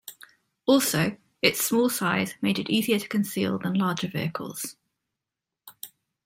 Also, its small size made it easier to conceal than larger vehicles.